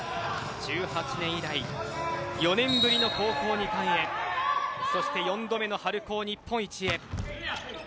１８年以来４年ぶりの高校２冠へそして４度目の春高日本一へ。